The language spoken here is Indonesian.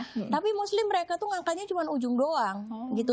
tapi mostly mereka tuh ngangkatnya cuma ujung doang gitu